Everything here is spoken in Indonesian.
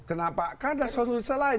kenapa kan ada solusi lain